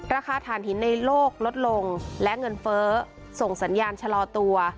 ฐานหินในโลกลดลงและเงินเฟ้อส่งสัญญาณชะลอตัว